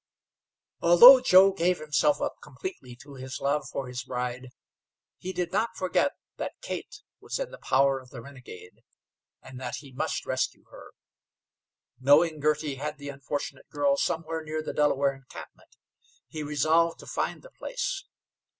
Although Joe gave himself up completely to his love for his bride, he did not forget that Kate was in the power of the renegade, and that he must rescue her. Knowing Girty had the unfortunate girls somewhere near the Delaware encampment, he resolved to find the place.